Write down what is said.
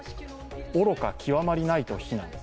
愚か極まりないと非難。